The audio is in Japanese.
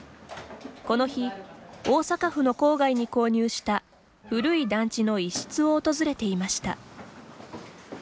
この日、大阪府の郊外に購入した古い団地の一室を訪れていました。